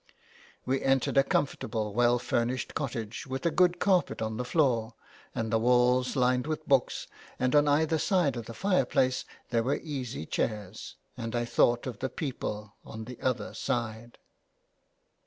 We entered a comfortable, well furnished cottage, with a good carpet on the floor, and the walls lined with books, and on either side of the fireplace there 208 JULIA CAHILL'S CURSE. were easy chairs, and 1 thought of the people " on the other side.''